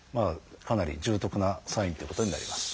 かなり重篤なサインっていうことになります。